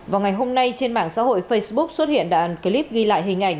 vào ngày hôm nay trên mạng xã hội facebook xuất hiện đoạn clip ghi lại hình ảnh